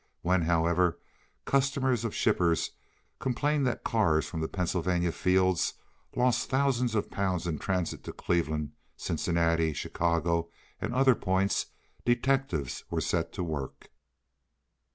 When, however, customers of shippers complained that cars from the Pennsylvania fields lost thousands of pounds in transit to Cleveland, Cincinnati, Chicago, and other points, detectives were set to work.